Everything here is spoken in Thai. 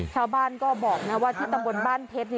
ชาวบ้านก็บอกนะว่าที่ตำบลบ้านเพชร